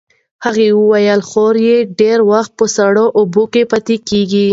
هغې وویل خور یې ډېر وخت په ساړه اوبو کې پاتې کېږي.